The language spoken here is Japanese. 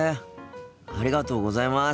ありがとうございます。